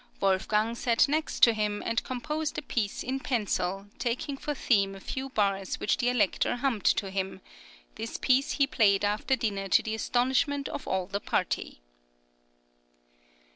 Wolfgang sat next to him and composed a piece in pencil, taking for theme a few bars which the Elector hummed to him; this piece he played after dinner to the astonishment of all the party.